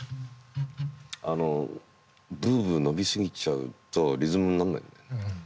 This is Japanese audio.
あのブーブー伸びすぎちゃうとリズムになんないのね。